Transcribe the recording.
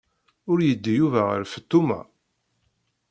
Ur yeddi Yuba ɣer Feṭṭuma?